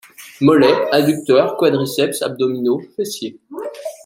Mollets, adducteurs, quadriceps, abdominaux, fessiers.